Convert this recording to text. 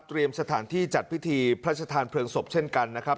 สถานที่จัดพิธีพระชธานเพลิงศพเช่นกันนะครับ